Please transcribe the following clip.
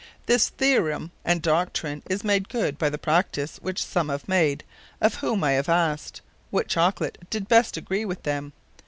This Theorum, and Doctrine, is made good by the practise, which some have made, of whom I have asked, what Chocolate did best agree with them?